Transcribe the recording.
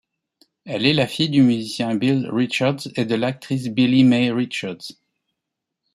Elle est la fille du musicien Bill Richards et de l'actrice Billie Mae Richards.